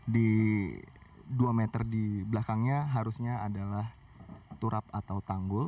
di dua meter di belakangnya harusnya adalah turap atau tanggul